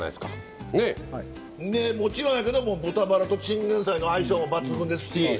もちろんやけども豚バラとチンゲンサイの相性も抜群ですし。